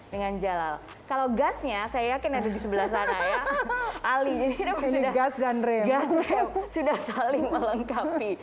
dengan jalal kalau gasnya saya yakin ada di sebelah sana ya ali jadi gas dan regan sudah saling melengkapi